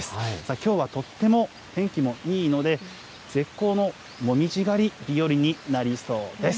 きょうはとっても天気もいいので、絶好のモミジ狩り日和になりそうです。